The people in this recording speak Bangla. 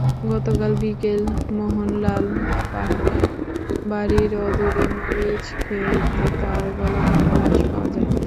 গতকাল বিকেলে মোহনলাল পাহানের বাড়ির অদূরে মরিচখেতে তাঁর গলাকাটা লাশ পাওয়া যায়।